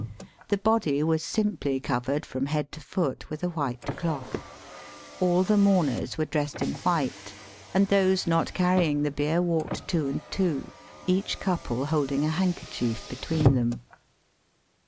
The body was simply covered from head to foot with a white cloth. All the mourners were dressed in white, and those not carrying the bier walked two and two, each couple holding a handkerchief between them.